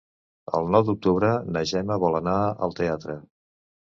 El nou d'octubre na Gemma vol anar al teatre.